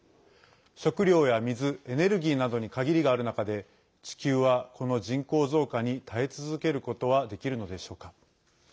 食料や水、エネルギーなどに限りがある中で地球は、この人口増加に耐え続けることはできるのでしょうか。